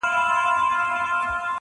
اوبه بندونه د کرنې لپاره جوړېږي.